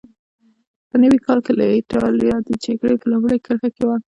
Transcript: په نوي کال کې اېټالیا د جګړې په لومړۍ کرښه کې وه.